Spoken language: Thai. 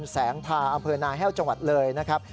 แสงพาอำเภอนาแห้วจังหวัดเลยนะครับ